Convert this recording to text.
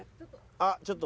あっちょっと。